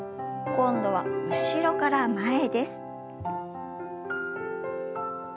今度は後ろから前です。